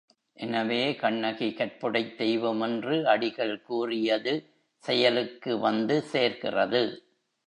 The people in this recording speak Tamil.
எனவே கண்ணகி கற்புடைத் தெய்வம் என்று அடிகள் கூறியது செயலுக்கு வந்து சேர்கிறது.